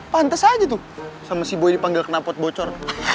pantes aja tuh sama si boy dipanggil kenapot bocor